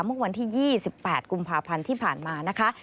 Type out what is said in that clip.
เมื่อวันที่๒๘กุมภาพันธ์ที่ผ่านมานะคะ